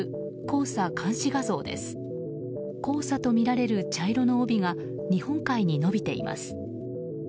黄砂とみられる茶色の帯が日本海に延びています。